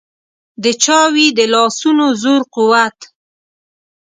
د چا وي د لاسونو زور قوت.